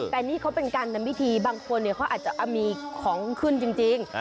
แต่นี่เขาเป็นการนำพิธีบางคนเขาอาจจะมีของขึ้นจริง